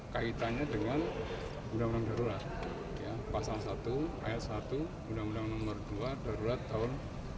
kaitannya dengan undang undang darurat pasal satu ayat satu undang undang no dua darurat tahun seribu sembilan ratus lima puluh satu